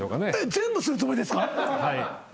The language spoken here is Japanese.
全部するつもりですか⁉はい。